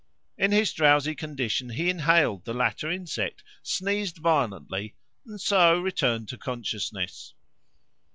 In his drowsy condition he inhaled the latter insect, sneezed violently, and so returned to consciousness.